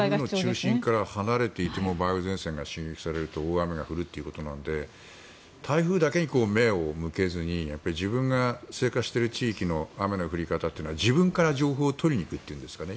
台風の中心から離れていても梅雨前線が刺激されると大雨になるということなので台風だけに目を向けずに自分が生活している地域の雨の情報は自分から情報を取りに行くというんですかね